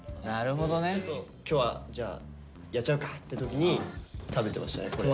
ちょっと今日はじゃあやっちゃうかって時に食べてましたね。